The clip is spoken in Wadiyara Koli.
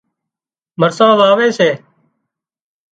مرسان واوي سي